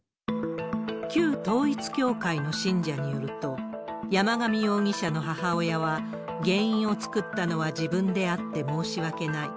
旧統一教会の信者によると、山上容疑者の母親は、原因を作ったのは自分であって申し訳ない。